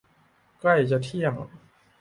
ใกล้จะเที่ยงคืน